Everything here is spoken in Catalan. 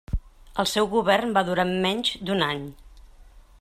El seu govern va durar menys d'un any.